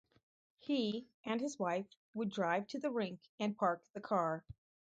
He and his wife would drive to the rink and park the car.